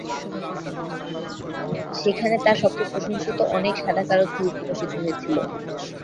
সেখানে তার সবচেয়ে প্রশংসিত, অনেক সাদা কালো ছবি প্রকাশিত হয়েছিল।